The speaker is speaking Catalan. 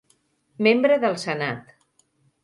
membre del senat.